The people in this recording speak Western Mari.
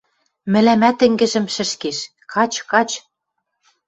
Мӹлӓмӓт ӹнгӹжӹм шӹшкеш: – Кач, кач...